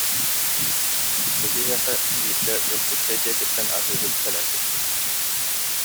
Бу киһиэхэ биирдэ Дьокуускай диэкиттэн атыыһыт кэлэн түспүт